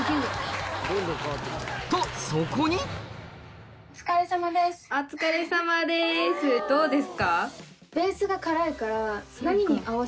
とそこにお疲れさまです。